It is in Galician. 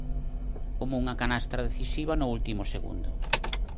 Como unha canastra decisiva no último segundo.